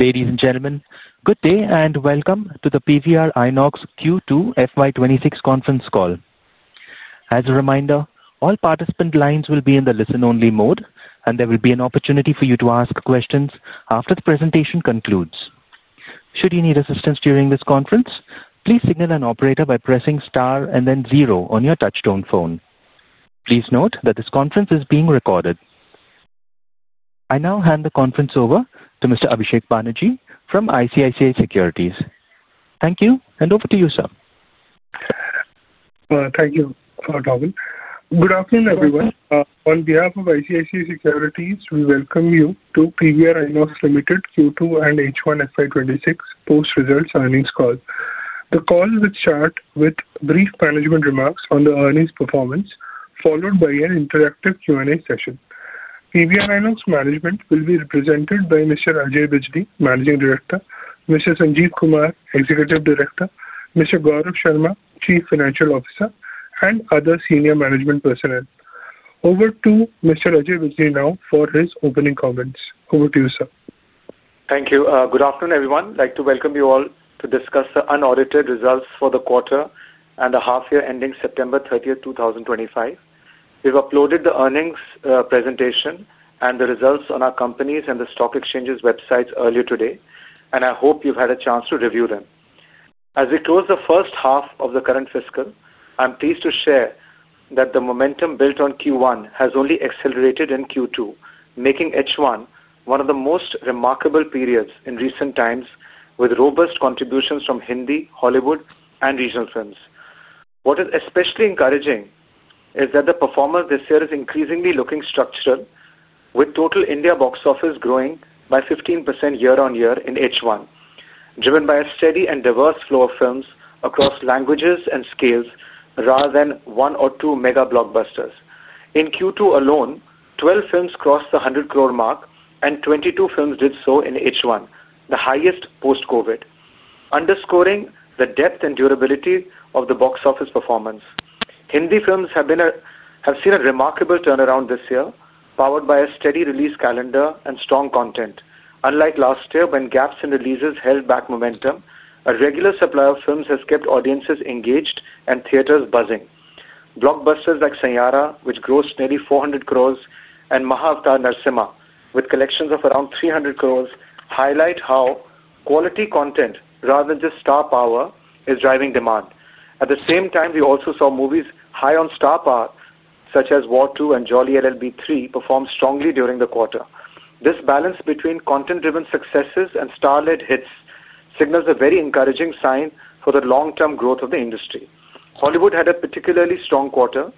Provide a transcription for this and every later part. Ladies and gentlemen, good day and welcome to the PVR INOX Q2 FY 2026 conference call. As a reminder, all participant lines will be in the listen-only mode, and there will be an opportunity for you to ask questions after the presentation concludes. Should you need assistance during this conference, please signal an operator by pressing star and then zero on your touch-tone phone. Please note that this conference is being recorded. I now hand the conference over to Mr. Abhishek Banerjee from ICICI Securities. Thank you, and over to you, sir. Thank you, Dawin. Good afternoon, everyone. On behalf of ICICI Securities, we welcome you to PVR INOX, Q2 and H1 FY 2026 post-results earnings call. The call will start with brief management remarks on the earnings performance, followed by an interactive Q&A session. PVR INOX management will be represented by Mr. Ajay Bijli, Managing Director; Mr. Sanjeev Kumar, Executive Director; Mr. Gaurav Sharma, Chief Financial Officer; and other senior management personnel. Over to Mr. Ajay Bijli now for his opening comments. Over to you, sir. Thank you. Good afternoon, everyone. I'd like to welcome you all to discuss the unaudited results for the quarter and the half-year ending September 30th, 2025. We've uploaded the earnings presentation and the results on our company's and the stock exchanges' websites earlier today, and I hope you've had a chance to review them. As we close the first half of the current fiscal, I'm pleased to share that the momentum built on Q1 has only accelerated in Q2, making H1 one of the most remarkable periods in recent times with robust contributions from Hindi, Hollywood, and regional films. What is especially encouraging is that the performance this year is increasingly looking structural, with total India box office growing by 15% year on year in H1, driven by a steady and diverse flow of films across languages and scales rather than one or two mega blockbusters. In Q2 alone, 12 films crossed the 100 crore mark, and 22 films did so in H1, the highest post-COVID. Underscoring the depth and durability of the box office performance. Hindi films have seen a remarkable turnaround this year, powered by a steady release calendar and strong content. Unlike last year, when gaps in releases held back momentum, a regular supply of films has kept audiences engaged and theaters buzzing. Blockbusters like 'Saiyaara', which grossed nearly 400 crore, and 'Mahavatar Narsimha', with collections of around 300 crore, highlight how quality content, rather than just star power, is driving demand. At the same time, we also saw movies high on star power, such as 'War 2' and 'Jolly LLB 3', perform strongly during the quarter. This balance between content-driven successes and star-led hits signals a very encouraging sign for the long-term growth of the industry. Hollywood had a particularly strong quarter.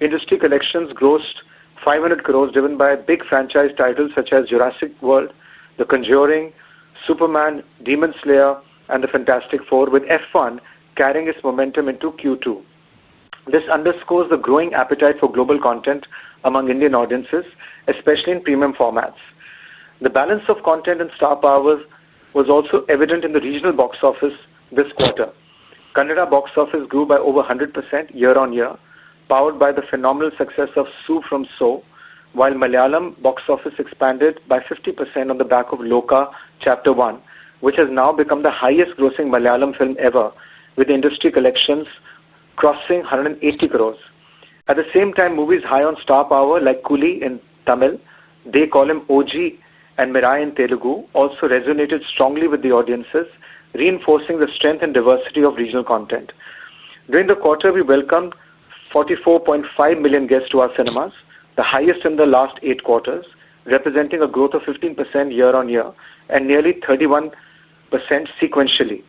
Industry collections grossed 500 crore, driven by big franchise titles such as 'Jurassic World', 'The Conjuring', 'Superman', 'Demon Slayer', and 'The Fantastic Four', with F1 carrying its momentum into Q2. This underscores the growing appetite for global content among Indian audiences, especially in premium formats. The balance of content and star power was also evident in the regional box office this quarter. Kannada box office grew by over 100% year on year, powered by the phenomenal success of 'Su from So', while Malayalam box office expanded by 50% on the back of 'Lokah Chapter 1', which has now become the highest-grossing Malayalam film ever, with industry collections crossing 180 crore. At the same time, movies high on star power, like 'Coolie' in Tamil, 'They Call Him OG', and 'Mirai' in Telugu, also resonated strongly with the audiences, reinforcing the strength and diversity of regional content. During the quarter, we welcomed 44.5 million guests to our cinemas, the highest in the last eight quarters, representing a growth of 15% year on year and nearly 31% sequentially.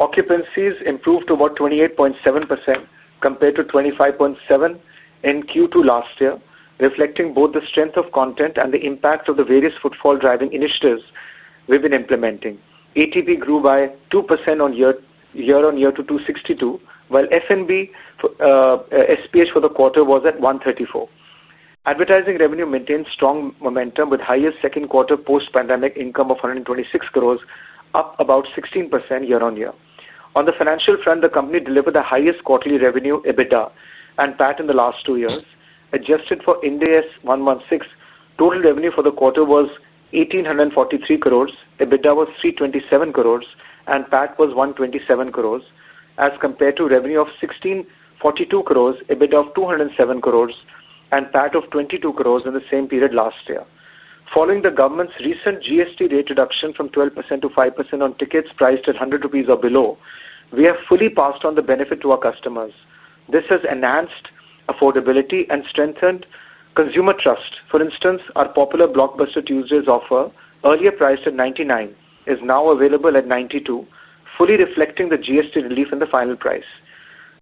Occupancies improved to about 28.7% compared to 25.7% in Q2 last year, reflecting both the strength of content and the impact of the various footfall-driving initiatives we've been implementing. ATP grew by 2% year on year to 262, while F&B SPH for the quarter was at 134. Advertising revenue maintained strong momentum, with the highest second-quarter post-pandemic income of 126 crore, up about 16% year on year. On the financial front, the company delivered the highest quarterly revenue EBITDA, and PAC in the last two years. Adjusted for NDS 116, total revenue for the quarter was 1,843 crore, EBITDA was 327 crore, and PAC was 127 crore, as compared to revenue of 1,642 crore, EBITDA of 207 crore, and PAC of 22 crore in the same period last year. Following the government's recent GST rate reduction from 12% to 5% on tickets priced at 100 rupees or below, we have fully passed on the benefit to our customers. This has enhanced affordability and strengthened consumer trust. For instance, our popular blockbuster Tuesday's offer, earlier priced at 99, is now available at 92, fully reflecting the GST relief in the final price.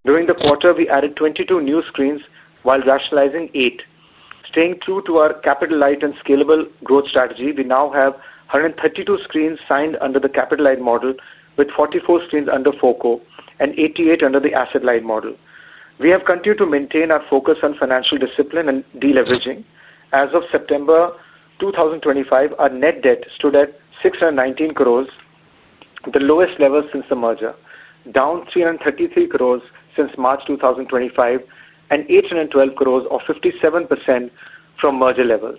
During the quarter, we added 22 new screens while rationalizing eight. Staying true to our capital light and scalable growth strategy, we now have 132 screens signed under the capital light model, with 44 screens under FOCO and 88 under the Asset Light model. We have continued to maintain our focus on financial discipline and deleveraging. As of September 2025, our net debt stood at 619 crore, the lowest level since the merger, down 333 crore since March 2025, and 812 crore or 57% from merger levels.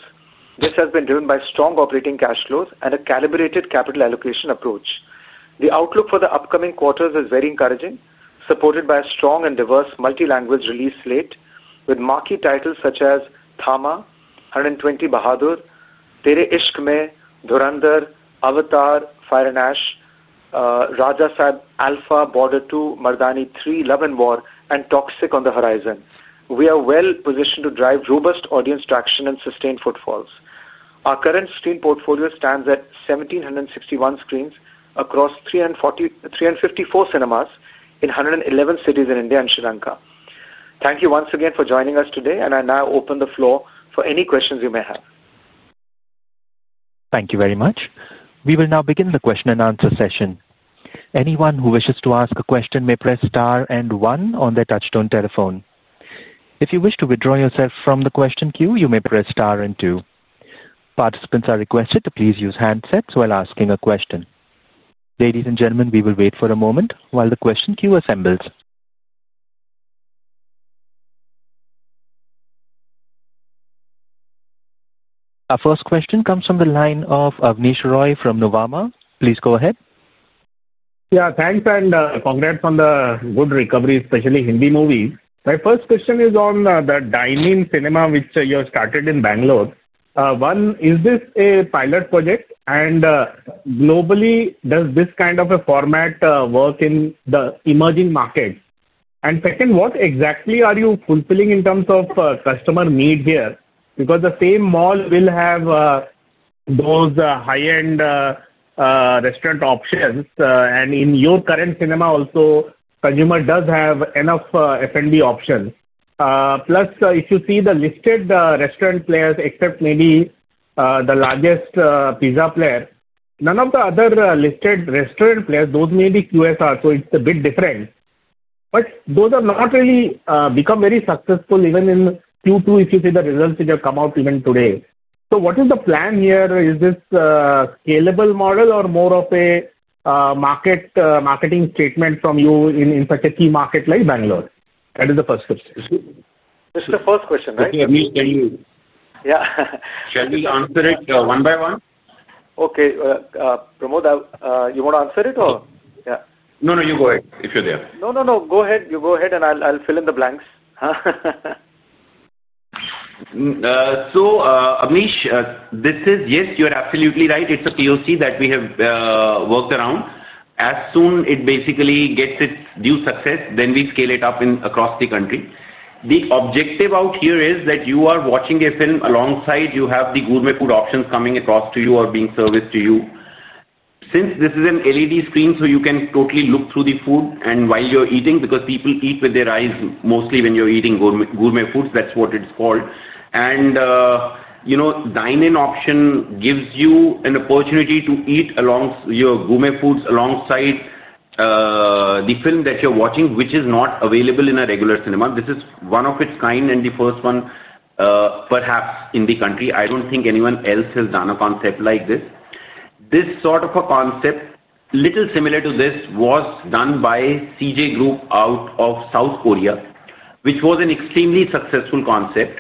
This has been driven by strong operating cash flows and a calibrated capital allocation approach. The outlook for the upcoming quarters is very encouraging, supported by a strong and diverse multi-language release slate, with marquee titles such as 'Thama', '120 Bahadur', 'Tere Ishk Mein', 'Dhurandhar', 'Avatar: Fire and Ash', 'Raja Saab', 'Alpha', 'Border 2', 'Mardaani 3', 'Love and War', and 'Toxic' on the horizon. We are well positioned to drive robust audience traction and sustain footfalls. Our current screen portfolio stands at 1,761 screens across 354 cinemas in 111 cities in India and Sri Lanka. Thank you once again for joining us today, and I now open the floor for any questions you may have. Thank you very much. We will now begin the question and answer session. Anyone who wishes to ask a question may press star and one on their touch-tone telephone. If you wish to withdraw yourself from the question queue, you may press star and two. Participants are requested to please use handsets while asking a question. Ladies and gentlemen, we will wait for a moment while the question queue assembles. Our first question comes from the line of Abneesh Roy from Nuvama. Please go ahead. Yeah, thanks and congrats on the good recovery, especially Hindi movies. My first question is on the Dine-In cinema, which you have started in Bangalore. One, is this a pilot project? Globally, does this kind of a format work in the emerging markets? What exactly are you fulfilling in terms of customer need here? The same mall will have those high-end restaurant options, and in your current cinema also, consumer does have enough F&B options. Plus, if you see the listed restaurant players, except maybe the largest pizza player, none of the other listed restaurant players, those may be QSR, so it's a bit different. Those have not really become very successful even in Q2. If you see the results, it has come out even today. What is the plan here? Is this a scalable model or more of a marketing statement from you in such a key market like Bangalore? That is the first question. This is the first question, right? Okay, let me tell you. Yeah. Shall we answer it one by one? Okay. Pramod, you want to answer it? No, you go ahead if you're there. No, go ahead. You go ahead and I'll fill in the blanks. Yes, you're absolutely right. It's a POC that we have worked around. As soon as it basically gets its due success, we scale it up across the country. The objective out here is that you are watching a film alongside. You have the gourmet food options coming across to you or being serviced to you. Since this is an LED screen, you can totally look through the food while you're eating, because people eat with their eyes mostly when you're eating gourmet foods, that's what it's called. You know, Dine-In option gives you an opportunity to eat your gourmet foods alongside the film that you're watching, which is not available in a regular cinema. This is one of its kind and the first one, perhaps, in the country. I don't think anyone else has done a concept like this. This sort of a concept, a little similar to this, was done by CJ Group out of South Korea, which was an extremely successful concept,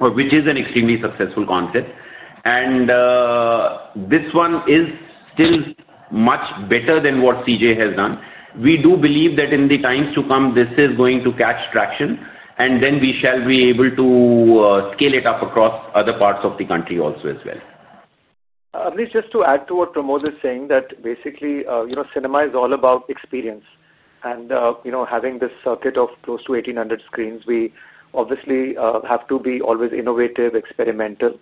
or which is an extremely successful concept. This one is still much better than what CJ has done. We do believe that in the times to come, this is going to catch traction, and we shall be able to scale it up across other parts of the country also as well. Abneesh, just to add to what Pramod is saying, basically, cinema is all about experience. Having this circuit of close to 1,800 screens, we obviously have to be always innovative and experimental.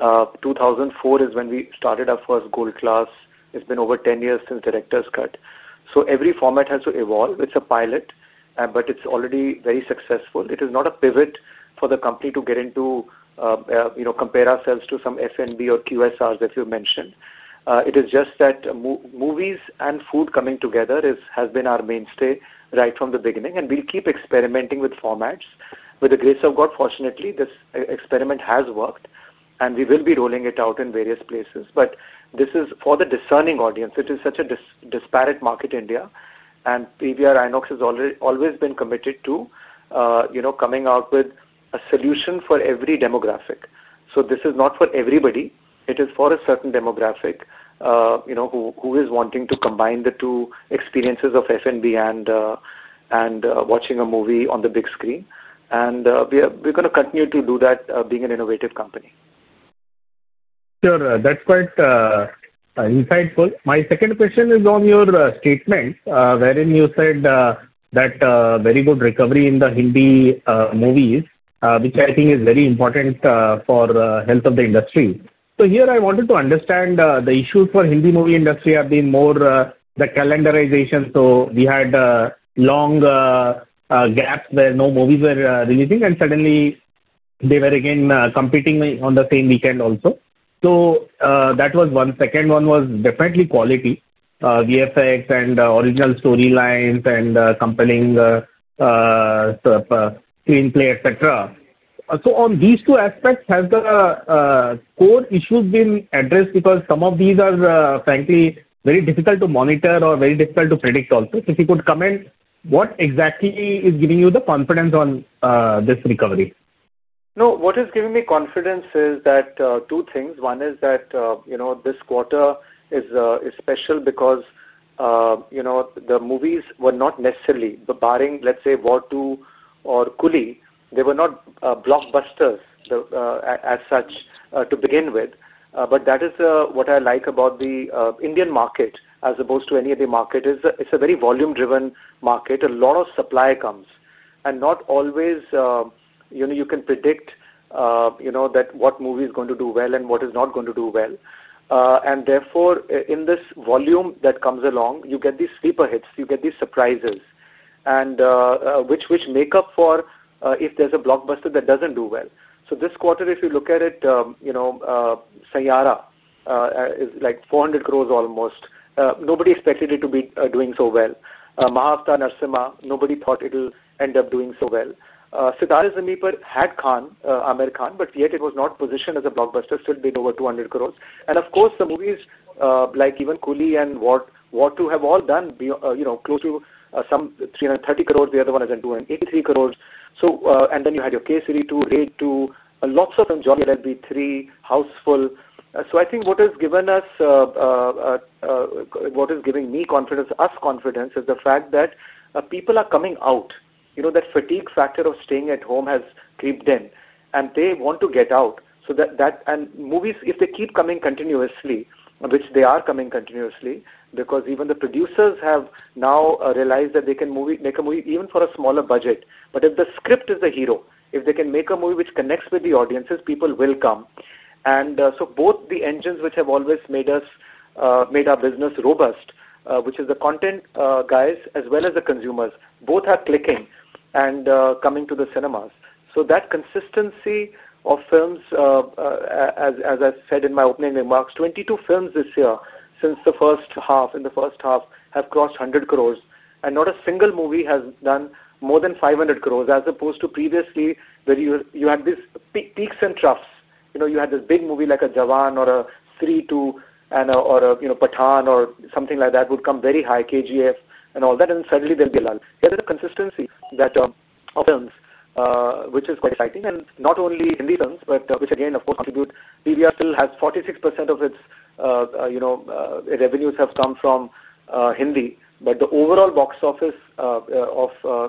2004 is when we started our first Gold Class. It's been over 10 years since Director's Cut. Every format has to evolve. It's a pilot, but it's already very successful. It is not a pivot for the company to get into, you know, compare ourselves to some F&B or QSRs that you mentioned. It is just that movies and food coming together has been our mainstay right from the beginning, and we'll keep experimenting with formats. With the grace of God, fortunately, this experiment has worked, and we will be rolling it out in various places. This is for the discerning audience. It is such a disparate market in India, and PVR INOX has always been committed to coming out with a solution for every demographic. This is not for everybody. It is for a certain demographic who is wanting to combine the two experiences of F&B and watching a movie on the big screen. We're going to continue to do that, being an innovative company. Sure, that's quite insightful. My second question is on your statement wherein you said that very good recovery in the Hindi movies, which I think is very important for the health of the industry. Here I wanted to understand the issues for the Hindi movie industry have been more the calendarization. We had long gaps where no movies were releasing, and suddenly they were again competing on the same weekend also. That was one. The second one was definitely quality, VFX, and original storylines, and compelling screenplay, etc. On these two aspects, have the core issues been addressed? Some of these are, frankly, very difficult to monitor or very difficult to predict also. If you could comment, what exactly is giving you the confidence on this recovery? No, what is giving me confidence is that two things. One is that, you know, this quarter is special because, you know, the movies were not necessarily barring, let's say, 'War 2' or 'Coolie'. They were not blockbusters as such to begin with. That is what I like about the Indian market as opposed to any other market. It's a very volume-driven market. A lot of supply comes, and not always, you know, you can predict, you know, that what movie is going to do well and what is not going to do well. Therefore, in this volume that comes along, you get these sleeper hits. You get these surprises, which make up for if there's a blockbuster that doesn't do well. This quarter, if you look at it, you know, 'Saiyaara' is like 400 crore almost. Nobody expected it to be doing so well. 'Mahavatar Narsimha', nobody thought it'll end up doing so well. 'Sitaare Zameen Par', had Khan, Aamir Khan, but yet it was not positioned as a blockbuster, still made over 200 crore. Of course, the movies like even 'Coolie' and 'War 2' have all done, you know, close to some 330 crore. The other one has done 283 crore. You had your 'Kesari 2', 'Raid 2', lots of them, 'Jolly LLB 3', 'Housefull.' I think what has given us, what is giving me confidence, us confidence, is the fact that people are coming out. You know, that fatigue factor of staying at home has creeped in, and they want to get out. That, and movies, if they keep coming continuously, which they are coming continuously, because even the producers have now realized that they can make a movie even for a smaller budget. If the script is the hero, if they can make a movie which connects with the audiences, people will come. Both the engines, which have always made us, made our business robust, which is the content guys as well as the consumers, both are clicking and coming to the cinemas. That consistency of films, as I said in my opening remarks, 22 films this year since the first half, in the first half, have crossed 100 crore, and not a single movie has done more than 500 crore, as opposed to previously where you had these peaks and troughs. You know, you had this big movie like a 'Jawan' or a 'Stree 2' or a 'Pathaan' or something like that would come very high, KGF and all that, and suddenly they'll be low. Here is the consistency of films, which is quite exciting. Not only Hindi films, but which again, of course, contribute. PVR still has 46% of its revenues have come from Hindi, but the overall box office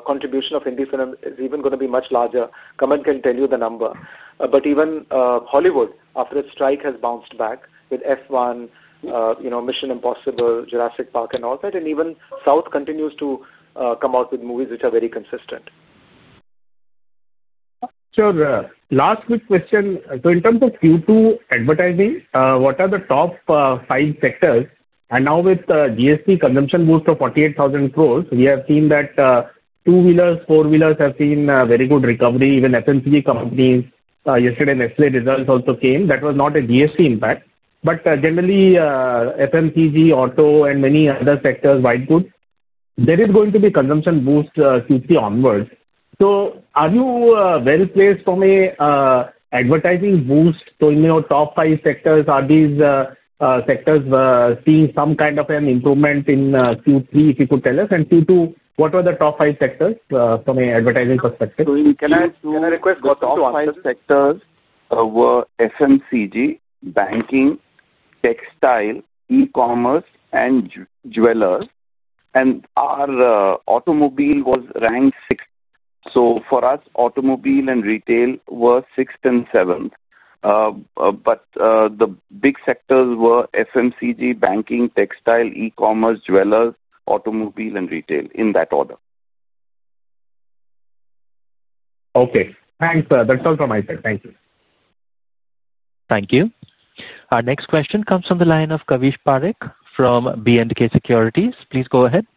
contribution of Hindi film is even going to be much larger. Comment can tell you the number. Even Hollywood, after its strike, has bounced back with F1, you know, 'Mission Impossible', 'Jurassic World', and all that. Even South continues to come out with movies which are very consistent. Sure. Last quick question. In terms of Q2 advertising, what are the top five sectors? Now with the GST consumption boost of 48,000 crore, we have seen that two-wheelers and four-wheelers have seen a very good recovery. Even FMCG companies yesterday in the results also came. That was not a GST impact. Generally, FMCG, auto, and many other sectors, were good, there is going to be a consumption boost Q3 onwards. Are you well-placed from an advertising boost? In your top five sectors, are these sectors seeing some kind of an improvement in Q3? If you could tell us. In Q2, what were the top five sectors from an advertising perspective? Can I request? Sure. The top five sectors were FMCG, banking, textile, e-commerce, and jeweler. Our automobile was ranked sixth. For us, automobile and retail were sixth and seventh. The big sectors were FMCG, banking, textile, e-commerce, jeweler, automobile, and retail in that order. Okay. Thanks. That's all from my side. Thank you. Thank you. Our next question comes from the line of Kavish Parekh from B&K Securities. Please go ahead.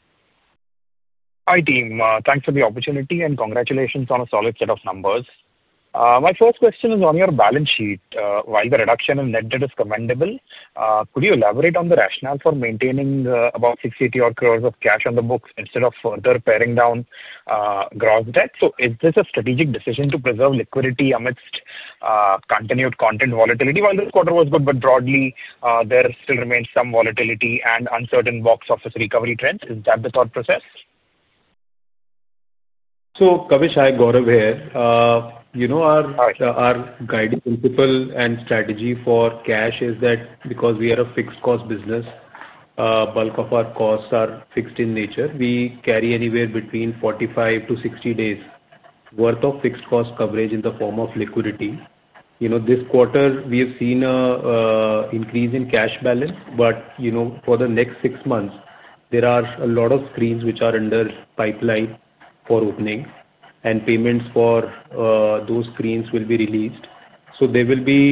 Hi, team. Thanks for the opportunity and congratulations on a solid set of numbers. My first question is on your balance sheet. While the reduction in net debt is commendable, could you elaborate on the rationale for maintaining about 60 crore of cash on the books instead of further paring down gross debt? Is this a strategic decision to preserve liquidity amidst continued content volatility? While this quarter was good, there still remains some volatility and uncertain box office recovery trends. Is that the thought process? Kavish, I'm Gaurav here. Our guiding principle and strategy for cash is that because we are a fixed cost business, a bulk of our costs are fixed in nature. We carry anywhere between 45 to 60 days' worth of fixed cost coverage in the form of liquidity. This quarter, we have seen an increase in cash balance. For the next six months, there are a lot of screens which are under pipeline for opening, and payments for those screens will be released. There will be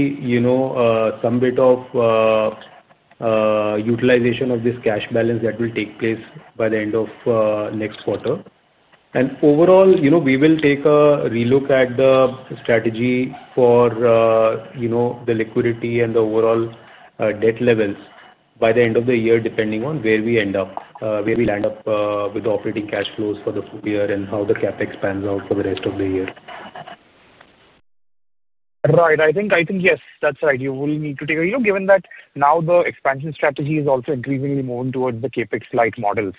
some bit of utilization of this cash balance that will take place by the end of next quarter. Overall, we will take a relook at the strategy for the liquidity and the overall debt levels by the end of the year, depending on where we end up, where we land up with the operating cash flows for the full year and how the cap expands out for the rest of the year. Right. I think yes, that's right. You will need to take a look, given that now the expansion strategy is also increasingly more towards the CapEx-like models.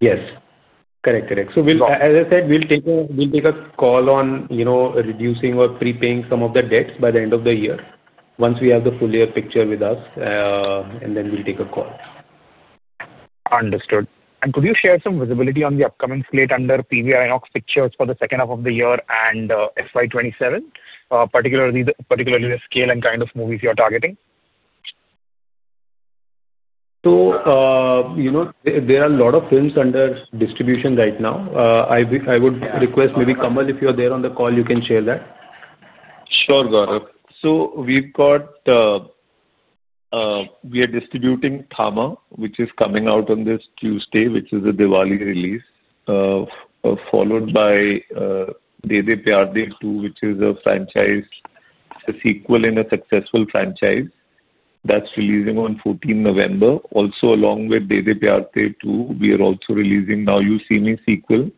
Yes, correct, correct. As I said, we'll take a call on reducing or pre-paying some of the debts by the end of the year once we have the full-year picture with us, and then we'll take a call. Understood. Could you share some visibility on the upcoming slate under PVR INOX Pictures for the second half of the year and FY 2027, particularly the scale and kind of movies you're targeting? There are a lot of films under distribution right now. I would request maybe Kamal, if you're there on the call, you can share that. Sure, Gaurav. We've got, we are distributing 'Thama', which is coming out on this Tuesday, which is a Diwali release, followed by 'De De Pyaar De 2', which is a sequel in a successful franchise that's releasing on November 14. Also, along with 'De De Pyaar De 2', we are also releasing 'Now You See Me' sequel,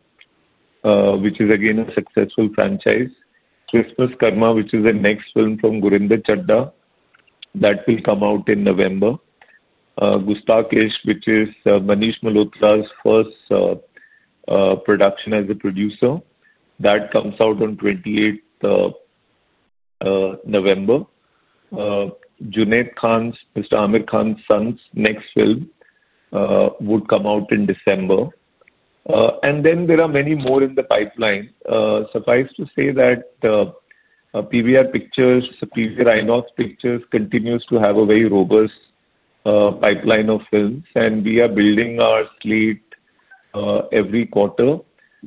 which is again a successful franchise. 'Christmas Karma', which is the next film from Gurinder Chadha, will come out in November. 'Gustaakh Ishq', which is Manish Malhotra's first production as a producer, comes out on November 28. Junaid Khan, Mr. Aamir Khan's son's next film, would come out in December. There are many more in the pipeline. Suffice to say that PVR Pictures continues to have a very robust pipeline of films, and we are building our slate every quarter.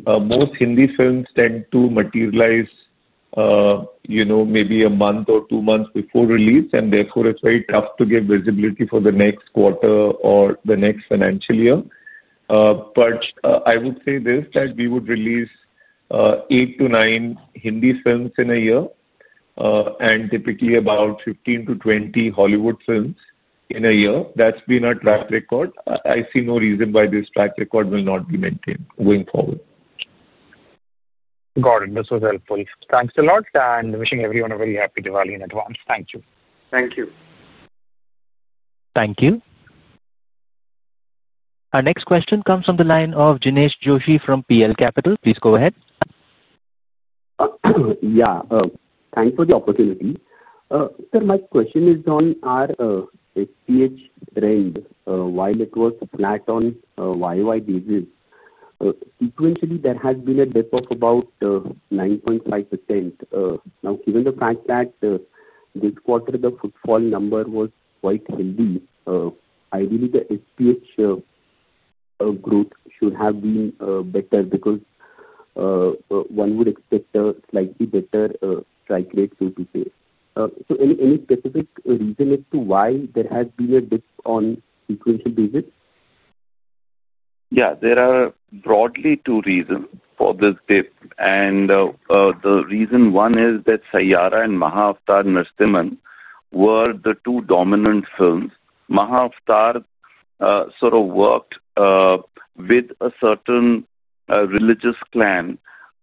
Most Hindi films tend to materialize maybe a month or two months before release, and therefore it's very tough to give visibility for the next quarter or the next financial year. I would say this, that we would release eight to nine Hindi films in a year, and typically about 15 to 20 Hollywood films in a year. That's been our track record. I see no reason why this track record will not be maintained going forward. Got it. This was helpful. Thanks a lot. Wishing everyone a very happy Diwali in advance. Thank you. Thank you. Thank you. Our next question comes from the line of Jinesh Joshi from PL Capital. Please go ahead. Yeah. Thanks for the opportunity. Sir, my question is on [R] SPH trade. While it was flat on YYDs, sequentially there has been a dip of about 9.5%. Now, given the fact that this quarter the footfall number was quite heavy, ideally, the SPH growth should have been better because one would expect a slightly better strike rate, so to say. Any specific reason as to why there has been a dip on a sequential basis? Yeah, there are broadly two reasons for this dip. The reason one is that 'Saiyaara' and 'Mahavatar Narsimha' were the two dominant films. 'Mahavatar' sort of worked with a certain religious clan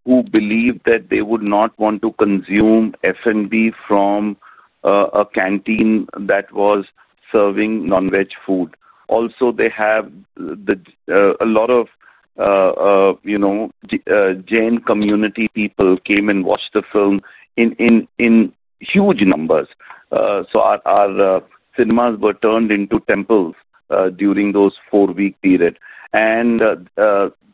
who believed that they would not want to consume F&B from a canteen that was serving non-veg food. Also, a lot of Jain community people came and watched the film in huge numbers. Our cinemas were turned into temples during those four-week periods, and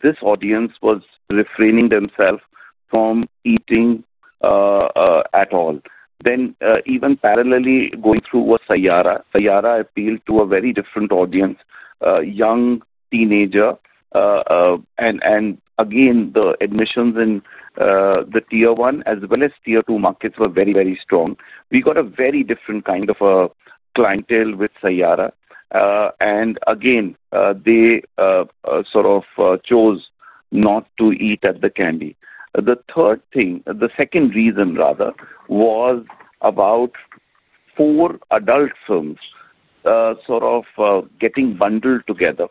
this audience was refraining themselves from eating at all. Parallelly going through was 'Saiyaara.' 'Saiyaara' appealed to a very different audience, young teenager. The admissions in the tier one as well as tier two markets were very, very strong. We got a very different kind of clientele with 'Saiyaara', and they sort of chose not to eat at the candy. The second reason was about four adult films sort of getting bundled together.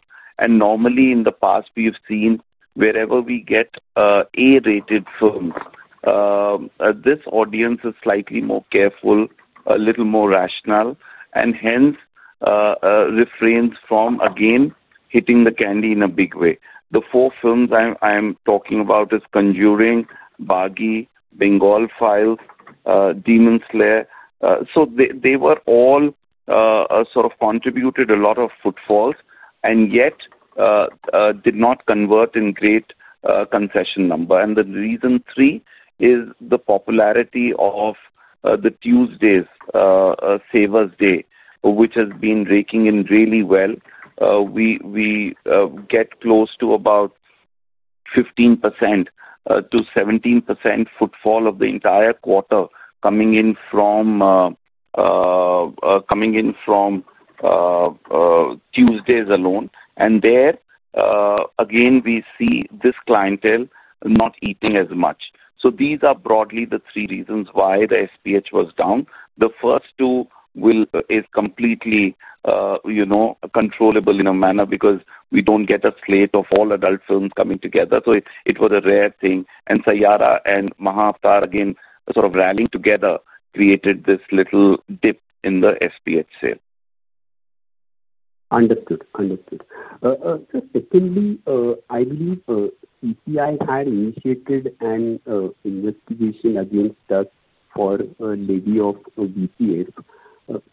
Normally in the past, we have seen wherever we get A-rated films, this audience is slightly more careful, a little more rational, and hence refrains from hitting the candy in a big way. The four films I'm talking about are 'The Conjuring', 'Baggy', 'Bengal Files', 'Demon Slayer.' They all contributed a lot of footfalls and yet did not convert in great concession number. The reason three is the popularity of the Tuesday's, saver's day, which has been raking in really well. We get close to about 15%-17% footfall of the entire quarter coming in from Tuesdays alone. There, again, we see this clientele not eating as much. These are broadly the three reasons why the SPH was down. The first two are completely controllable in a manner because we don't get a slate of all adult films coming together. It was a rare thing. 'Saiyaara' and 'Mahavatar' again rallying together created this little dip in the SPH sale. Understood. Understood. Secondly, I believe CCI had initiated an investigation against us for a levy of VPF.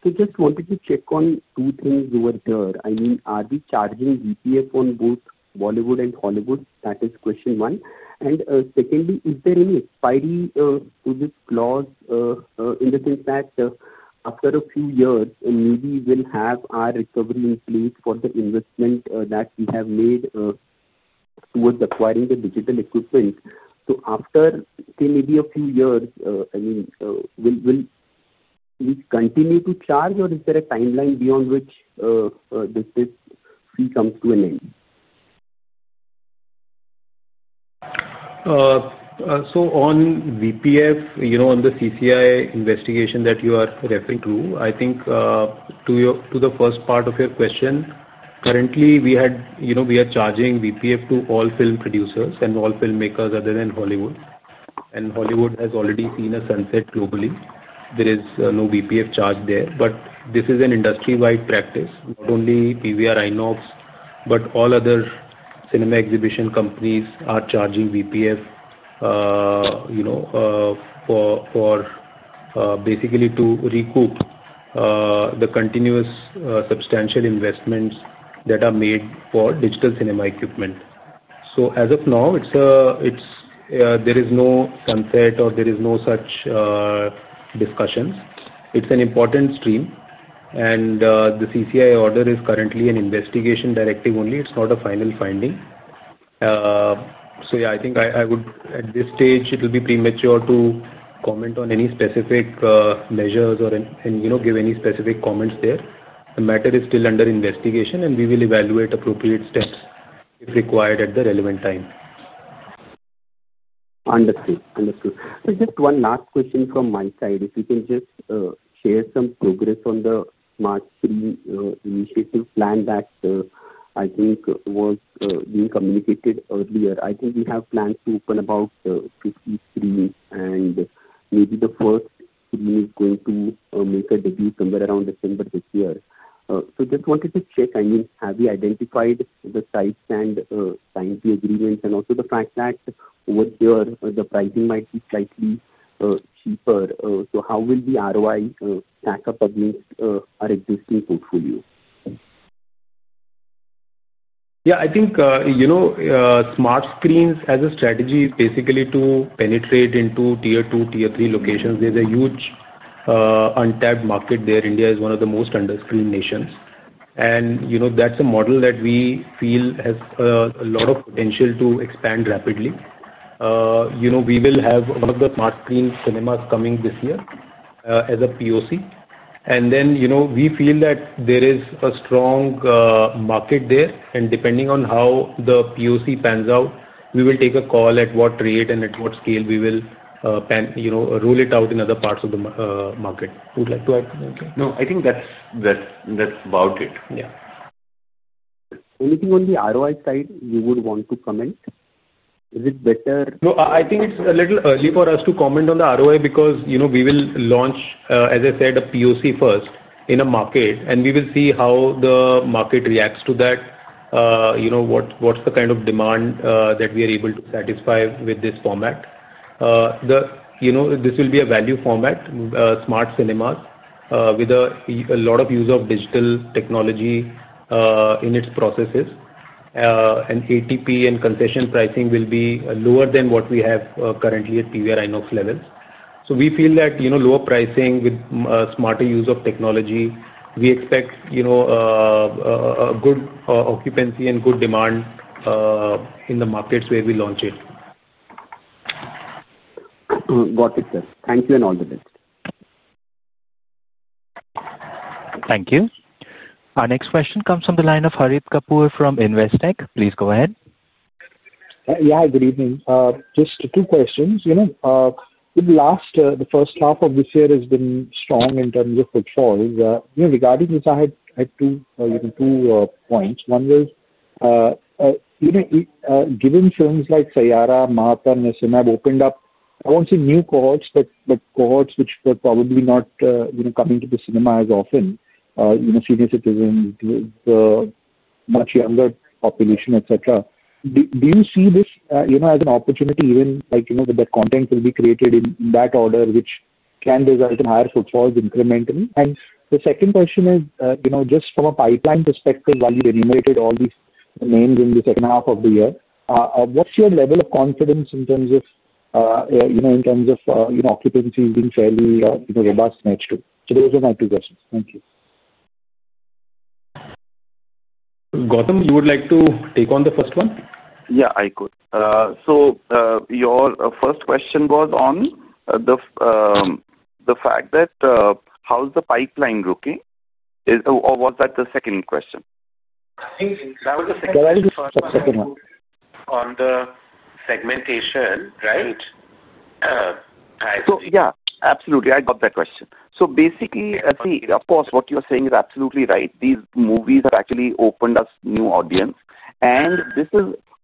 I just wanted to check on two things over there. I mean, are we charging VPF on both Bollywood and Hollywood? That is question one. Secondly, is there any expiry to this clause in the sense that after a few years, maybe we'll have our recovery in place for the investment that we have made towards acquiring the digital equipment? After, say, maybe a few years, will we continue to charge, or is there a timeline beyond which this fee comes to an end? On VPF, on the CCI investigation that you are referring to, I think to the first part of your question, currently, we are charging VPF to all film producers and all filmmakers other than Hollywood. Hollywood has already seen a sunset globally. There is no VPF charge there. This is an industry-wide practice. Not only PVR INOX, but all other cinema exhibition companies are charging VPF for basically recouping the continuous substantial investments that are made for digital cinema equipment. As of now, there is no sunset or any such discussions. It's an important stream, and the CCI order is currently an investigation directive only. It's not a final finding. At this stage, it'll be premature to comment on any specific measures or give any specific comments there. The matter is still under investigation, and we will evaluate appropriate steps if required at the relevant time. Understood. Understood. Just one last question from my side. If you can just share some progress on the smart screen initiative plan that I think was being communicated earlier. I think we have plans to open about 50 screens, and maybe the first screen is going to make a debut somewhere around December this year. I just wanted to check, I mean, have we identified the sites and signed the agreements? Also, the fact that over there, the pricing might be slightly cheaper. How will the ROI stack up against our existing portfolio? Yeah, I think, you know, smart screens as a strategy, basically to penetrate into tier two, tier three locations. There's a huge untapped market there. India is one of the most underscreened nations. That's a model that we feel has a lot of potential to expand rapidly. We will have one of the smart screen cinemas coming this year as a POC. We feel that there is a strong market there. Depending on how the POC pans out, we will take a call at what rate and at what scale we will, you know, roll it out in other parts of the market. Would you like to add to that? Okay. No, I think that's about it. Yeah. Anything on the ROI side you would want to comment? Is it better? No, I think it's a little early for us to comment on the ROI because, you know, we will launch, as I said, a POC first in a market, and we will see how the market reacts to that. You know, what's the kind of demand that we are able to satisfy with this format? This will be a value format, smart cinemas, with a lot of use of digital technology in its processes. ATP and concession pricing will be lower than what we have currently at PVR INOX levels. We feel that lower pricing with smarter use of technology, we expect a good occupancy and good demand in the markets where we launch it. Got it, sir. Thank you and all the best. Thank you. Our next question comes from the line of Harit Kapoor from Investec. Please go ahead. Yeah, good evening. Just two questions. The first half of this year has been strong in terms of footfalls. Regarding this, I had two points. One was, given films like 'Saiyaara', 'Mahavatar Narsimha' have opened up, I won't say new cohorts, but cohorts which were probably not coming to the cinema as often, senior citizens, the much younger population, etc. Do you see this as an opportunity, even like the content will be created in that order, which can result in higher footfalls incrementally? The second question is, just from a pipeline perspective, while you enumerated all these names in the second half of the year, what's your level of confidence in terms of occupancy being fairly robust next to? Those are my two questions. Thank you. Gautam, you would like to take on the first one? Yeah, I could. Your first question was on the fact that how's the pipeline looking? Or was that the second question? That was the second. The first one. The second one. On the segmentation, right? Absolutely. I got that question. Basically, what you're saying is absolutely right. These movies have actually opened us a new audience.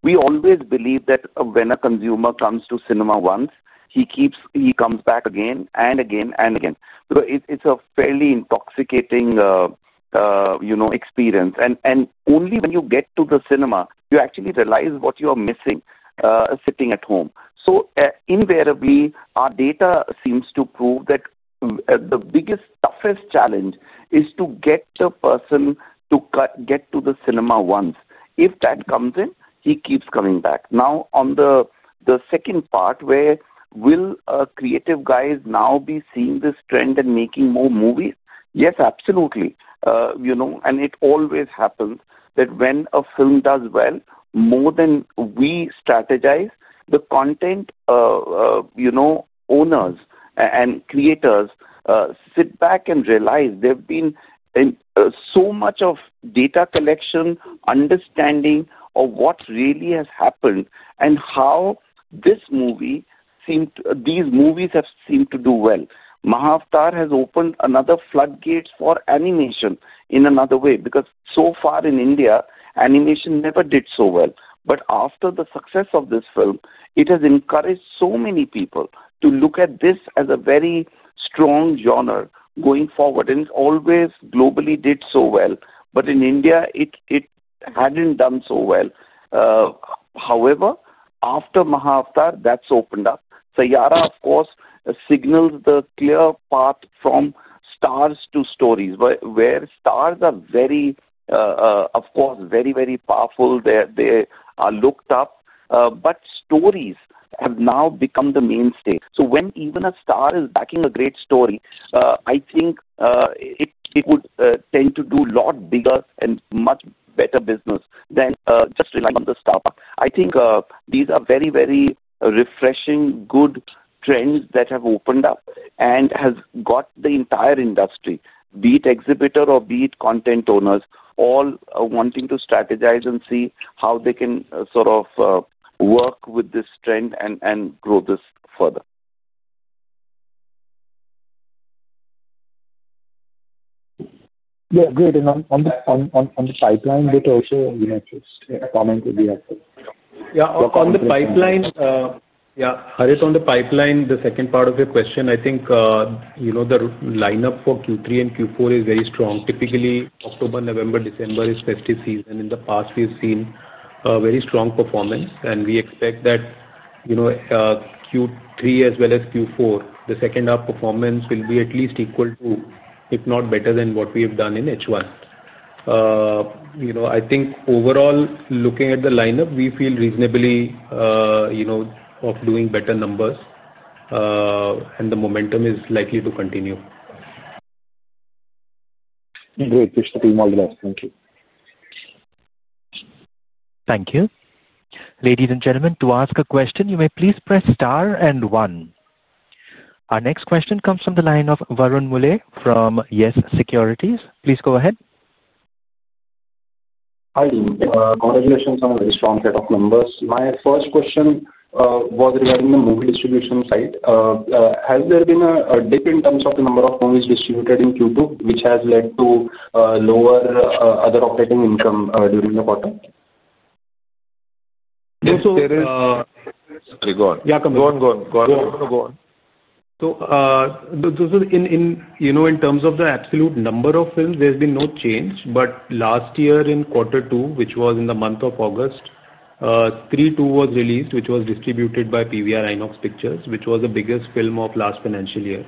We always believe that when a consumer comes to cinema once, he comes back again and again and again. It's a fairly intoxicating experience. Only when you get to the cinema, you actually realize what you are missing sitting at home. Invariably, our data seems to prove that the biggest, toughest challenge is to get the person to get to the cinema once. If that comes in, he keeps coming back. Now, on the second part, where will creative guys now be seeing this trend and making more movies? Yes, absolutely. It always happens that when a film does well, more than we strategize, the content owners and creators sit back and realize there's been so much of data collection, understanding of what really has happened and how this movie seemed to, these movies have seemed to do well. 'Mahavatar' has opened another floodgate for animation in another way because so far in India, animation never did so well. After the success of this film, it has encouraged so many people to look at this as a very strong genre going forward. It always globally did so well. In India, it hadn't done so well. However, after 'Mahavatar', that's opened up. 'Saiyaara', of course, signals the clear path from stars to stories, where stars are very, of course, very, very powerful. They are looked up. Stories have now become the mainstay. When even a star is backing a great story, I think it would tend to do a lot bigger and much better business than just relying on the star. I think these are very, very refreshing, good trends that have opened up and have got the entire industry, be it exhibitors or be it content owners, all wanting to strategize and see how they can sort of work with this trend and grow this further. Great. On the pipeline bit also, just a comment would be helpful. Yeah, on the pipeline, Harit, on the pipeline, the second part of your question, I think the lineup for Q3 and Q4 is very strong. Typically, October, November, December is festive season. In the past, we've seen a very strong performance. We expect that Q3 as well as Q4, the second half performance, will be at least equal to, if not better than, what we have done in H1. I think overall, looking at the lineup, we feel reasonably, you know, of doing better numbers. The momentum is likely to continue. Great. Wish the team all the best. Thank you. Thank you. Ladies and gentlemen, to ask a question, you may please press star and one. Our next question comes from the line of Varun Mulle from YES Securities. Please go ahead. Hi, team. Congratulations on a very strong set of numbers. My first question was regarding the movie distribution side. Has there been a dip in terms of the number of movies distributed in Q2, which has led to lower other operating income during the quarter? And so. There is. Sorry, go on. Yeah, go on. Go on. In terms of the absolute number of films, there's been no change. Last year in quarter two, which was in the month of August, 'Stree 2' was released, which was distributed by PVR INOX Pictures, which was the biggest film of last financial year.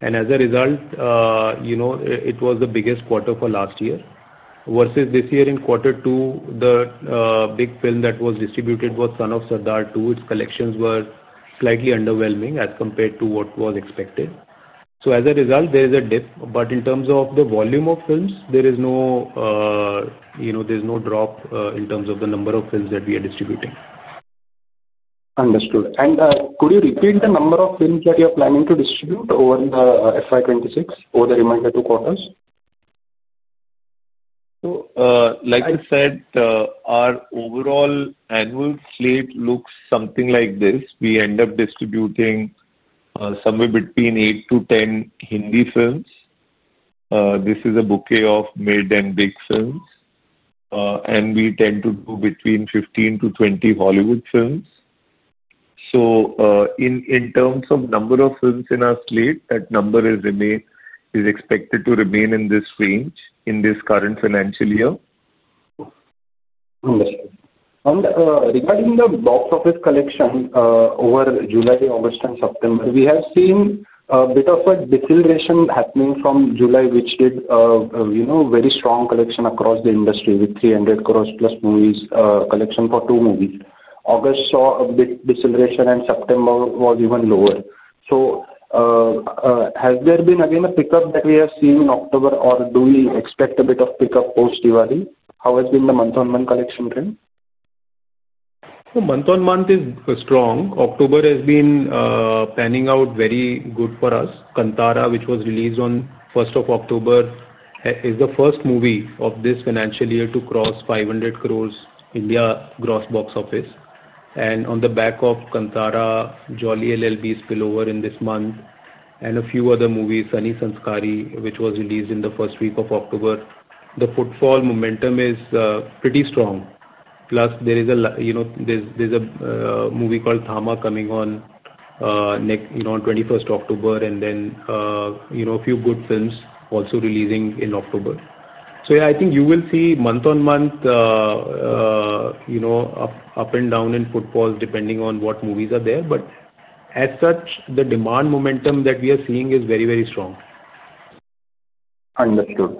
As a result, it was the biggest quarter for last year. Versus this year, in quarter two, the big film that was distributed was 'Son of Sardaar 2.' Its collections were slightly underwhelming as compared to what was expected. As a result, there is a dip. In terms of the volume of films, there's no drop in terms of the number of films that we are distributing. Understood. Could you repeat the number of films that you're planning to distribute over the FY 2026 or the remaining two quarters? Like I said, our overall annual slate looks something like this. We end up distributing somewhere between 8 to 10 Hindi films. This is a bouquet of mid and big films. We tend to do between 15 to 20 Hollywood films. In terms of number of films in our slate, that number is expected to remain in this range in this current financial year. Understood. Regarding the box office collections over July, August, and September, we have seen a bit of a deceleration happening from July, which did a very strong collection across the industry with 300 crore plus movie collections for two movies. August saw a bit of deceleration, and September was even lower. Has there been a pickup that we have seen in October, or do we expect a bit of a pickup post Diwali? How has the month-on-month collection trend been? Month-on-month is strong. October has been panning out very good for us. 'Kantara', which was released on 1st of October, is the first movie of this financial year to cross 500 crore India gross box office. On the back of 'Kantara', 'Jolly LLB's' spillover in this month, and a few other movies, 'Sunny Sanskari', which was released in the first week of October, the footfall momentum is pretty strong. Plus, there is a movie called 'Thama' coming on 21st October, and a few good films also releasing in October. I think you will see month-on-month up and down in footfalls depending on what movies are there. As such, the demand momentum that we are seeing is very, very strong. Understood.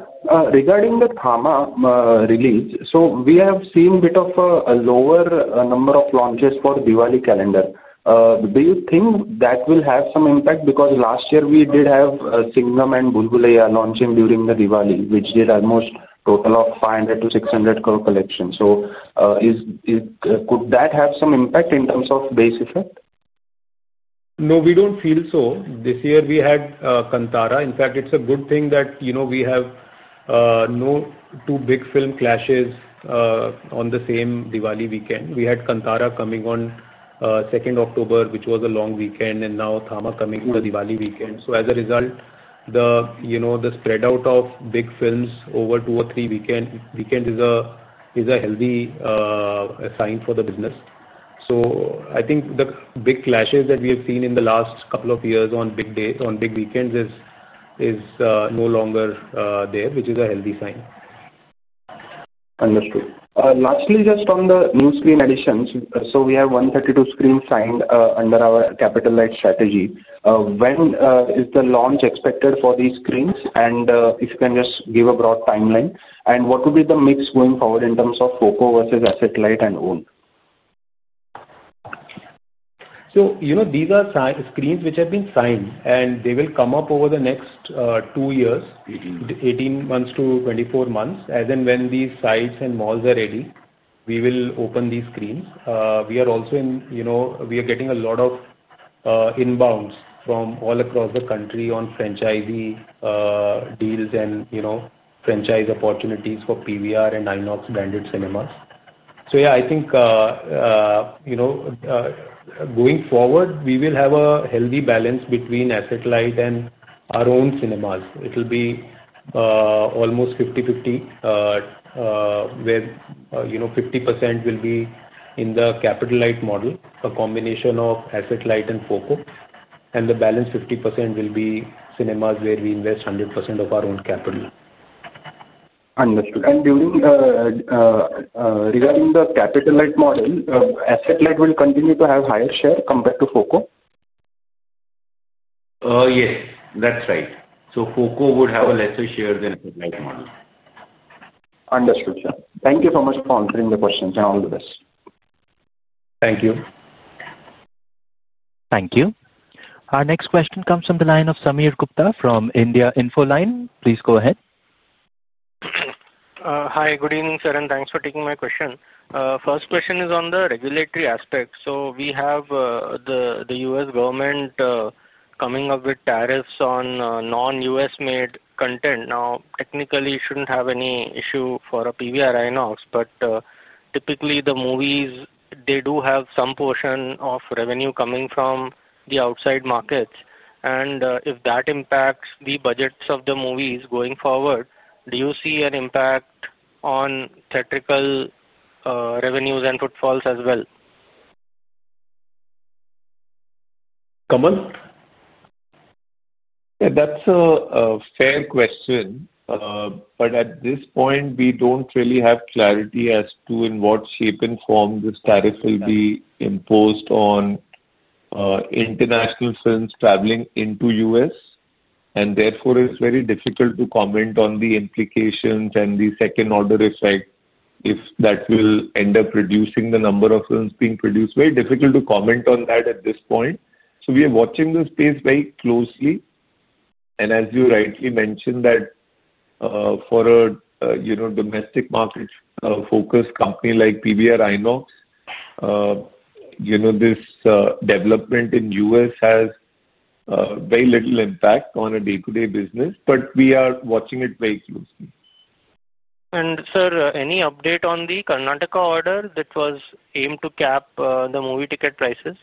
Regarding the 'Thama' release, we have seen a bit of a lower number of launches for the Diwali calendar. Do you think that will have some impact? Last year we did have 'Singham' and 'Bhool Bhulaiyaa' launching during the Diwali, which did almost a total of 500 to 600 crore collections. Could that have some impact in terms of base effect? No, we don't feel so. This year we had 'Kantara.' In fact, it's a good thing that, you know, we have no two big film clashes on the same Diwali weekend. We had 'Kantara' coming on 2nd October, which was a long weekend, and now 'Thama' coming on the Diwali weekend. As a result, the spread out of big films over two or three weekends is a healthy sign for the business. I think the big clashes that we have seen in the last couple of years on big days, on big weekends is no longer there, which is a healthy sign. Understood. Lastly, just on the new screen additions, we have 132 screens signed under [capital light] strategy. When is the launch expected for these screens? If you can just give a broad timeline, what would be the mix going forward in terms of FOCO versus Asset Light and own? These are screens which have been signed, and they will come up over the next two years, 18 months to 24 months. As and when these sites and malls are ready, we will open these screens. We are also getting a lot of inbounds from all across the country on franchisee deals and franchise opportunities for PVR INOX branded cinemas. I think, going forward, we will have a healthy balance between Asset Light and our own cinemas. It'll be almost 50/50, where 50% will be in the Capital Light model, a combination of Asset Light and FOCO. The balance 50% will be cinemas where we invest 100% of our own capital. Understood. Regarding the Capital Light model, Asset Light will continue to have higher share compared to FOCO? Yes, that's right. FOCO would have a lesser share than Asset Light model. Understood, sir. Thank you so much for answering the questions and all the best. Thank you. Thank you. Our next question comes from the line of Sameer Gupta from India Infoline. Please go ahead. Hi, good evening, sir, and thanks for taking my question. First question is on the regulatory aspect. We have the U.S. government coming up with tariffs on non-U.S.-made content. Technically, it shouldn't have any issue for PVR INOX. Typically, the movies do have some portion of revenue coming from the outside markets. If that impacts the budgets of the movies going forward, do you see an impact on theatrical revenues and footfalls as well? Kamal? Yeah, that's a fair question. At this point, we don't really have clarity as to in what shape and form this tariff will be imposed on international films traveling into the U.S. Therefore, it's very difficult to comment on the implications and the second-order effect if that will end up reducing the number of films being produced. Very difficult to comment on that at this point. We are watching this space very closely. As you rightly mentioned, for a domestic market-focused company like PVR INOX, this development in the U.S. has very little impact on day-to-day business. We are watching it very closely. Is there any update on the Karnataka order that was aimed to cap the movie ticket prices?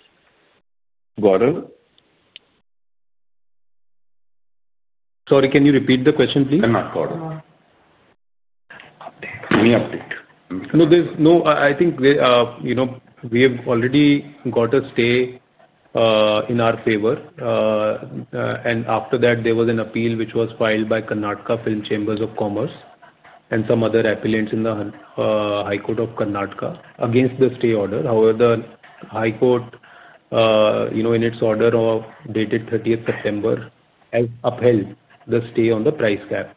Gaurav? Sorry, can you repeat the question, please? Karnataka order. Any update? No, there's no. I think, you know, we have already got a stay in our favor. After that, there was an appeal which was filed by Karnataka Film Chambers of Commerce and some other appellants in the High Court of Karnataka against the stay order. However, the High Court, in its order dated 30th September, has upheld the stay on the price cap.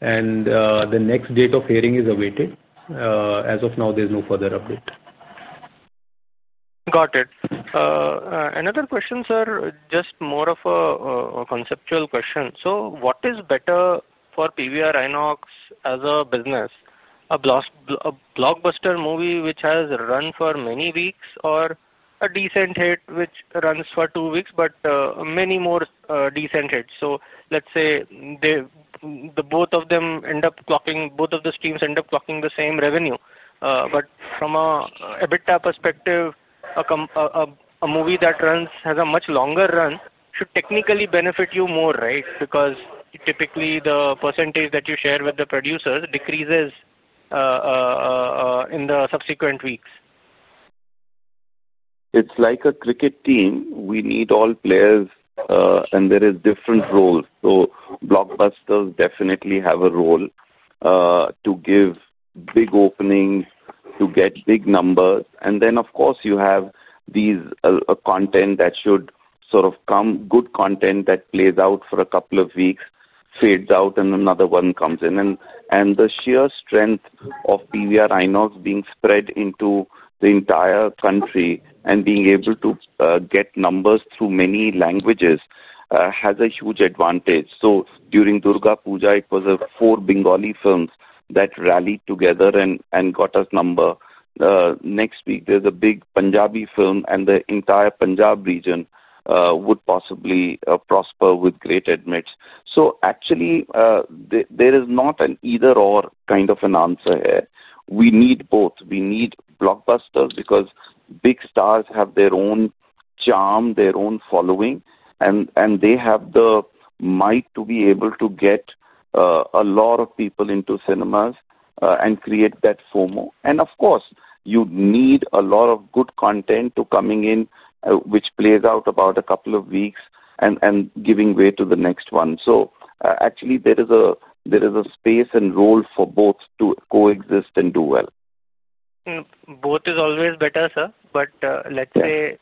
The next date of hearing is awaited. As of now, there's no further update. Got it. Another question, sir, just more of a conceptual question. What is better for PVR INOX as a business, a blockbuster movie which has run for many weeks or a decent hit which runs for two weeks, but many more decent hits? Let's say both of them end up clocking, both of the streams end up clocking the same revenue. From an EBITDA perspective, a movie that has a much longer run should technically benefit you more, right? Because typically, the percentage that you share with the producers decreases in the subsequent weeks. It's like a cricket team. We need all players, and there are different roles. Blockbusters definitely have a role to give big openings, to get big numbers. Of course, you have this content that should sort of come, good content that plays out for a couple of weeks, fades out, and another one comes in. The sheer strength of PVR INOX being spread into the entire country and being able to get numbers through many languages has a huge advantage. During Durga Puja, it was four Bengali films that rallied together and got us numbers. Next week, there's a big Punjabi film, and the entire Punjab region would possibly prosper with great admits. Actually, there is not an either/or kind of an answer here. We need both. We need blockbusters because big stars have their own charm, their own following, and they have the might to be able to get a lot of people into cinemas and create that FOMO. Of course, you need a lot of good content coming in, which plays out about a couple of weeks and gives way to the next one. Actually, there is a space and role for both to coexist and do well. Both is always better, sir. Let's say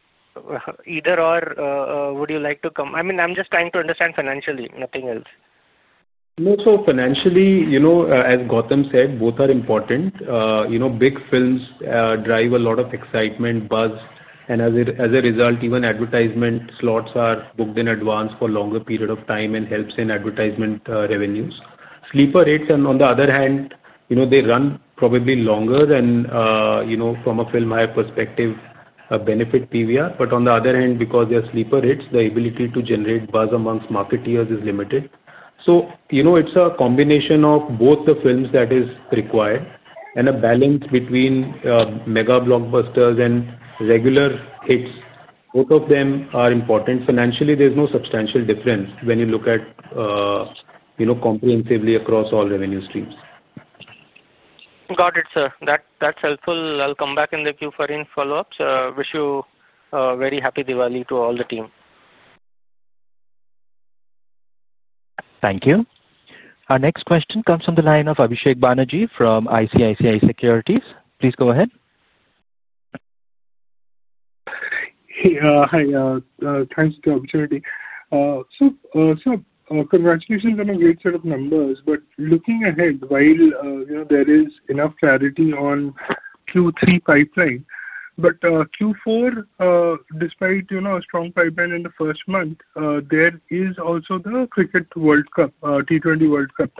either/or, would you like to come? I'm just trying to understand financially, nothing else. No, so financially, you know, as Gautam said, both are important. Big films drive a lot of excitement, buzz, and as a result, even advertisement slots are booked in advance for a longer period of time and helps in advertisement revenues. Sleeper hits, on the other hand, you know, they run probably longer, and you know, from a film hire perspective, benefit PVR INOX. On the other hand, because they are sleeper hits, the ability to generate buzz amongst marketeers is limited. It's a combination of both the films that are required and a balance between mega blockbusters and regular hits. Both of them are important. Financially, there's no substantial difference when you look at, you know, comprehensively across all revenue streams. Got it, sir. That's helpful. I'll come back in the queue for any follow-ups. Wish you a very happy Diwali to all the team. Thank you. Our next question comes from the line of Abhishek Banerjee from ICICI Securities. Please go ahead. Hi, thanks for the opportunity. Sir, congratulations on a great set of numbers. Looking ahead, while there is enough clarity on the Q3 pipeline, Q4, despite a strong pipeline in the first month, there is also the cricket World Cup, T20 World Cup.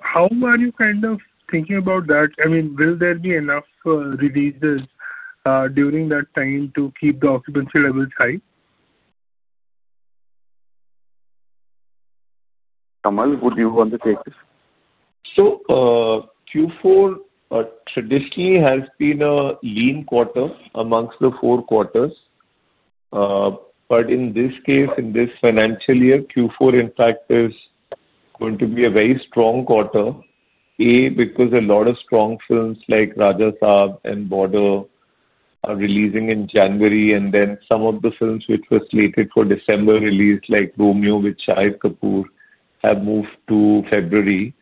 How are you kind of thinking about that? I mean, will there be enough releases during that time to keep the occupancy levels high? Kamal, would you want to take this? Q4 traditionally has been a lean quarter among the four quarters. In this financial year, Q4, in fact, is going to be a very strong quarter. A, because a lot of strong films like 'Raja Saab' and 'Border' are releasing in January. Some of the films which were slated for December release, like 'Romeo' with Shahid Kapoor, have moved to February.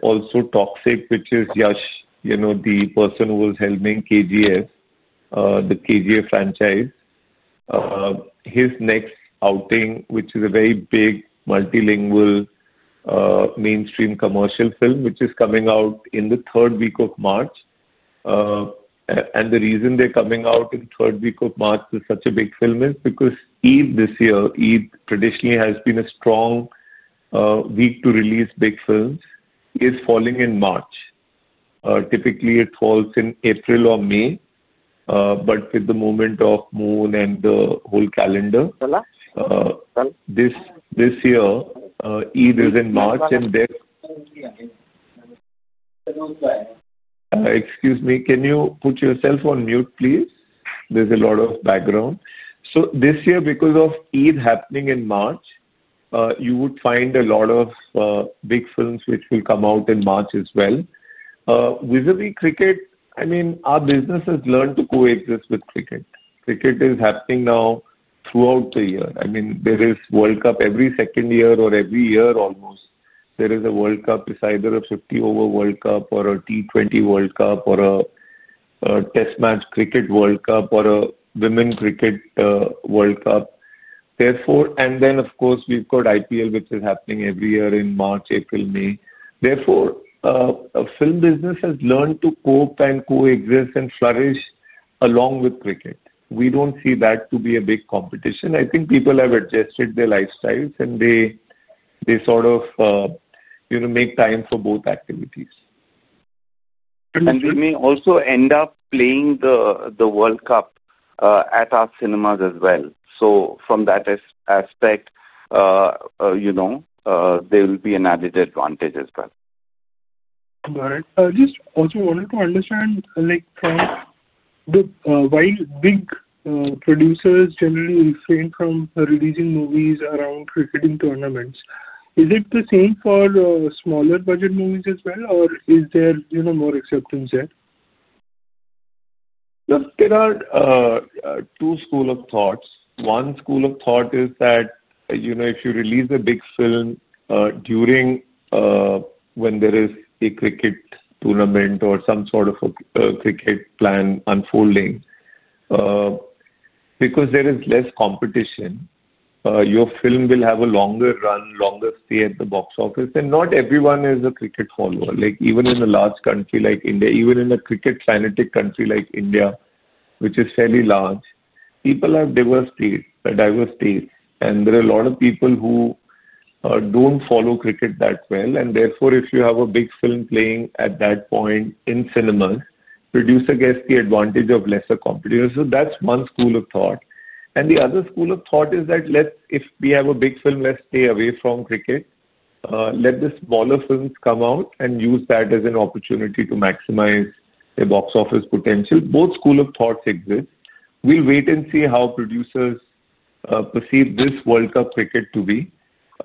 Also, Toxic, which is Yash, the person who was helming KGF, the KGF franchise, his next outing, which is a very big multilingual mainstream commercial film, is coming out in the third week of March. The reason they're coming out in the third week of March with such a big film is because [Eid] this year, which traditionally has been a strong week to release big films, is falling in March. Typically, it falls in April or May. With the movement of the Moon and the whole calendar, this year, Eid is in March. Excuse me, can you put yourself on mute, please? There's a lot of background. This year, because of Eid happening in March, you would find a lot of big films which will come out in March as well. Vis-à-vis cricket, our business has learned to coexist with cricket. Cricket is happening now throughout the year. There is a World Cup every second year or every year almost. There is a World Cup. It's either a 50 over World Cup, a T20 World Cup, a Test Match Cricket World Cup, or a Women's Cricket World Cup. Of course, we've got IPL, which is happening every year in March, April, May. Therefore, our film business has learned to cope and coexist and flourish along with cricket. We don't see that to be a big competition. People have adjusted their lifestyles, and they sort of make time for both activities. We may also end up playing the World Cup at our cinemas as well. From that aspect, there will be an added advantage as well. Got it. Just also wanted to understand, like, while big producers generally refrain from releasing movies around cricketing tournaments, is it the same for smaller budget movies as well, or is there, you know, more acceptance there? There are two schools of thought. One school of thought is that, you know, if you release a big film during when there is a cricket tournament or some sort of a cricket plan unfolding, because there is less competition, your film will have a longer run, longer stay at the box office. Not everyone is a cricket follower. Even in a large country like India, even in a cricket-fanatic country like India, which is fairly large, people have diverse tastes. There are a lot of people who don't follow cricket that well. Therefore, if you have a big film playing at that point in cinemas, producers get the advantage of lesser competition. That's one school of thought. The other school of thought is that if we have a big film, let's stay away from cricket. Let the smaller films come out and use that as an opportunity to maximize the box office potential. Both schools of thought exist. We'll wait and see how producers perceive this World Cup cricket to be.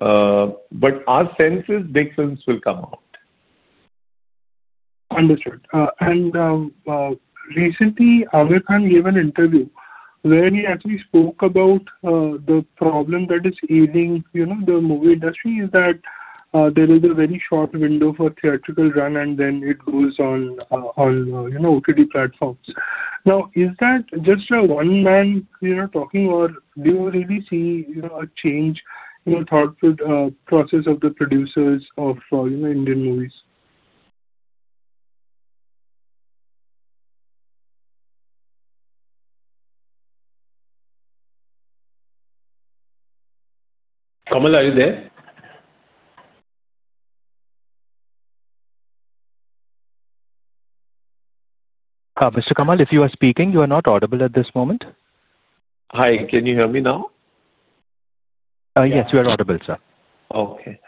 Our sense is big films will come out. Understood. Recently, Aamir Khan gave an interview where he actually spoke about the problem that is ailing, you know, the movie industry is that there is a very short window for theatrical run, and then it goes on, you know, OTT platforms. Now, is that just a one-man talking, or do you really see a change, you know, thoughtful process of the producers of, you know, Indian movies? Kamal, are you there? Mr. Kamal, if you are speaking, you are not audible at this moment. Hi, can you hear me now? Yes, we are audible, sir. Okay.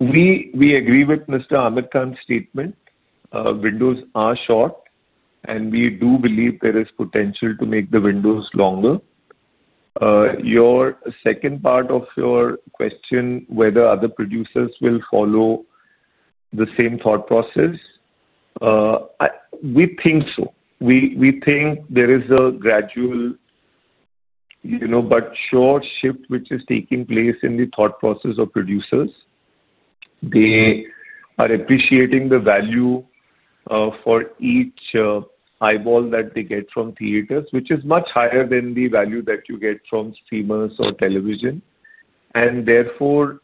We agree with Mr. Aamir Khan's statement. Windows are short, and we do believe there is potential to make the windows longer. Your second part of your question, whether other producers will follow the same thought process, we think so. We think there is a gradual, you know, but sure shift which is taking place in the thought process of producers. They are appreciating the value for each eyeball that they get from theaters, which is much higher than the value that you get from streamers or television. Therefore,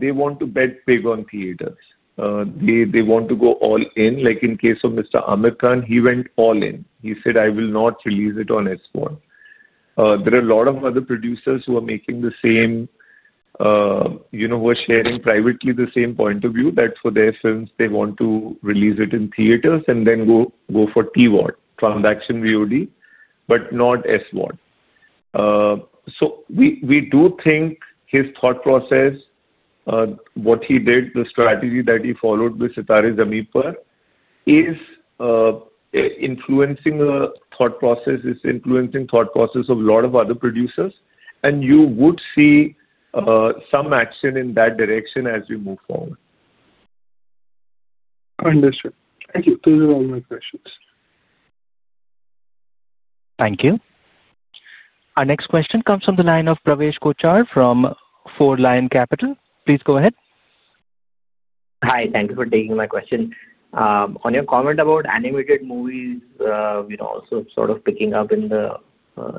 they want to bet big on theaters. They want to go all in. Like in case of Mr. Aamir Khan, he went all in. He said, "I will not release it on SVOD." There are a lot of other producers who are making the same, you know, who are sharing privately the same point of view that for their films, they want to release it in theaters and then go for TVOD, Transaction VOD, but not SVOD. We do think his thought process, what he did, the strategy that he followed with 'Sitaare Zameen Par' is influencing the thought process of a lot of other producers. You would see some action in that direction as we move forward. Understood. Thank you. Those are all my questions. Thank you. Our next question comes from the line of Pravesh Kochar from FourLion Capital. Please go ahead. Hi, thank you for taking my question. On your comment about animated movies, you know, also sort of picking up in the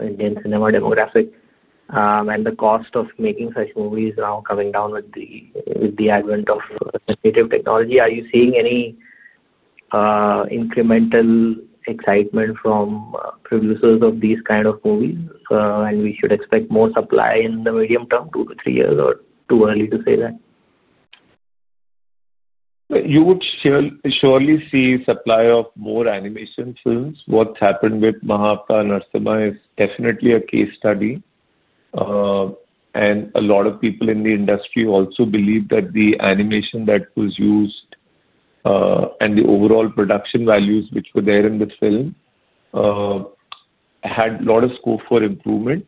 Indian cinema demographic and the cost of making such movies now coming down with the advent of sensitive technology, are you seeing any incremental excitement from producers of these kinds of movies? Should we expect more supply in the medium term, two to three years, or is it too early to say that? You would surely see a supply of more animation films. What's happened with 'Mahavatar Narsimha' is definitely a case study. A lot of people in the industry also believe that the animation that was used and the overall production values which were there in the film had a lot of scope for improvement.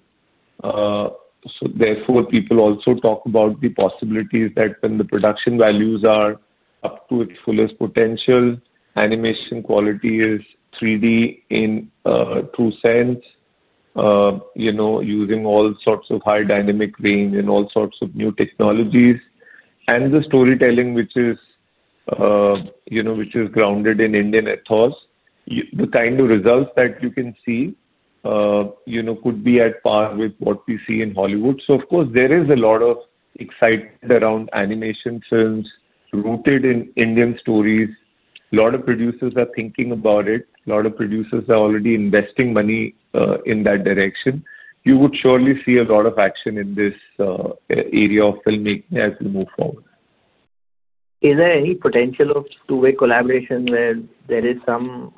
Therefore, people also talk about the possibilities that when the production values are up to its fullest potential, animation quality is 3D in true sense, using all sorts of high dynamic range and all sorts of new technologies. The storytelling, which is grounded in Indian ethos, the kind of results that you can see could be at par with what we see in Hollywood. There is a lot of excitement around animation films rooted in Indian stories. A lot of producers are thinking about it. A lot of producers are already investing money in that direction. You would surely see a lot of action in this area of filmmaking as we move forward. Is there any potential of two-way collaboration where there is some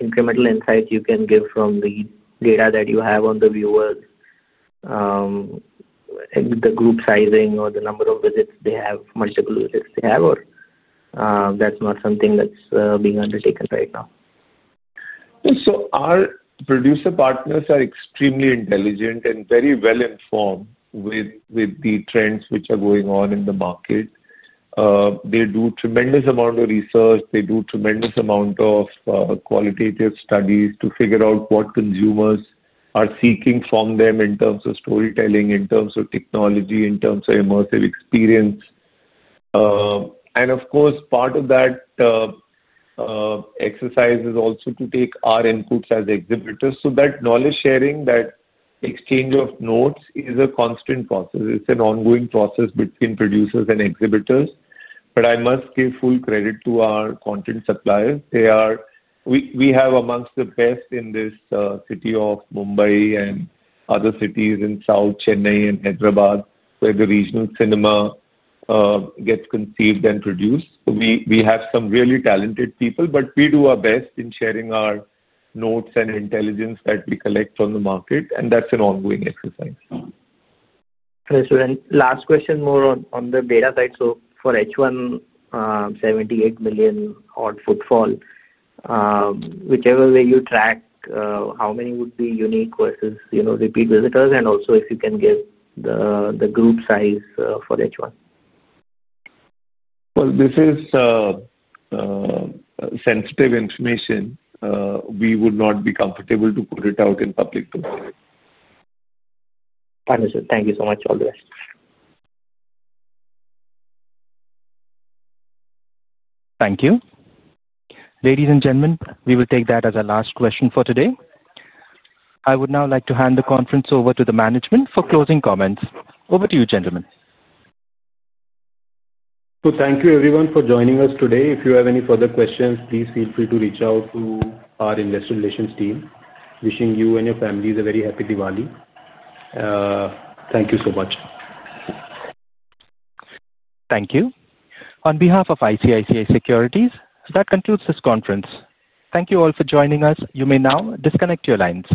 incremental insights you can give from the data that you have on the viewers and the group sizing or the number of visits they have, multiple visits they have, or that's not something that's being undertaken right now? Our producer partners are extremely intelligent and very well informed with the trends which are going on in the market. They do a tremendous amount of research, a tremendous amount of qualitative studies to figure out what consumers are seeking from them in terms of storytelling, technology, and immersive experience. Of course, part of that exercise is also to take our inputs as exhibitors. That knowledge sharing, that exchange of notes is a constant process. It's an ongoing process between producers and exhibitors. I must give full credit to our content suppliers. We have amongst the best in this city of Mumbai and other cities in South Chennai and Hyderabad where the regional cinema gets conceived and produced. We have some really talented people, and we do our best in sharing our notes and intelligence that we collect from the market. That's an ongoing exercise. Understood. Last question, more on the beta side. For H1, 78 million-odd footfall, whichever way you track, how many would be unique versus, you know, repeat visitors? Also, if you can give the group size for H1? This is sensitive information. We would not be comfortable to put it out in public. Understood. Thank you so much. All the best. Thank you. Ladies and gentlemen, we will take that as our last question for today. I would now like to hand the conference over to the management for closing comments. Over to you, gentlemen. Thank you, everyone, for joining us today. If you have any further questions, please feel free to reach out to our investor relations team. Wishing you and your families a very happy Diwali. Thank you so much. Thank you. On behalf of ICICI Securities, that concludes this conference. Thank you all for joining us. You may now disconnect your lines.